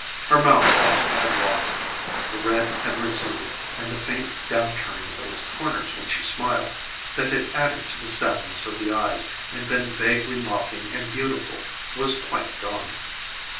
Her mouth also had lost: the red had receded and the faint down turning of its corners when she smiled, that had added to the sadness of the eyes and been vaguely mocking and beautiful, was quite gone.